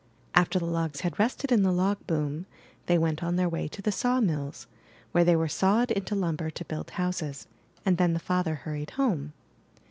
After the logs had rested in the log *'boom,'* they went on their way to the saw mills, where they were sawed into lumber to build houses; and then the father hurried home.